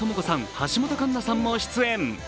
橋本環奈さんも出演。